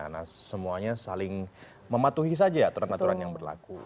nah semuanya saling mematuhi saja ya teraturan teraturan yang berlaku